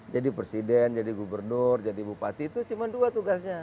jadi presiden jadi gubernur jadi bupati itu cuma dua tugasnya